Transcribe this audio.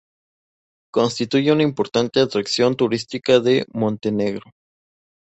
Constituye una importante atracción turística de Montenegro.